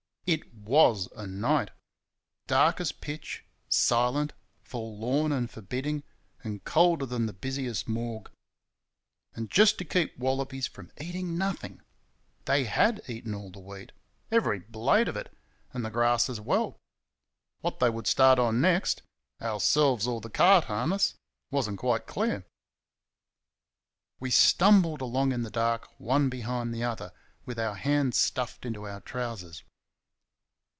It WAS a night! dark as pitch, silent, forlorn and forbidding, and colder than the busiest morgue. And just to keep wallabies from eating nothing! They HAD eaten all the wheat every blade of it and the grass as well. What they would start on next ourselves or the cart harness was n't quite clear. We stumbled along in the dark one behind the other, with our hands stuffed into our trousers.